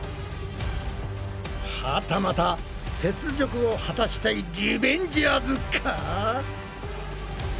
はたまた雪辱を果たしたいリベンジャーズか？